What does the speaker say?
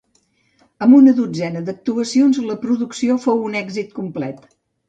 Amb una dotzena d'actuacions, la producció fou un èxit complet.